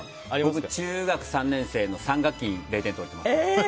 僕、中学３年生の３学期に０点取ってます。